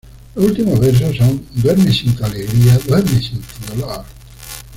Los últimos versos son "¡duerme sin tu alegría, duerme sin tu dolor!